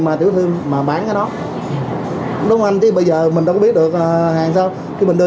mà tiểu thương mà bán cái đó đúng không anh chứ bây giờ mình đâu có biết được hàng sao khi mình đưa